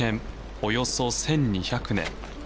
およそ１２００年。